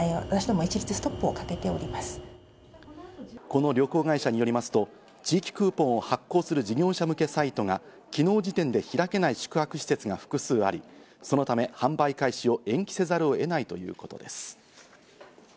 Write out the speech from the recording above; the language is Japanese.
この旅行会社によりますと、地域クーポンを発行する事業者向けサイトが昨日時点で開けない宿泊施設が複数あり、そのため販売開始を延期せざるを得ないということです。